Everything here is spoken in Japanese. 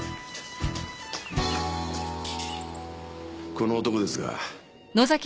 この男ですが。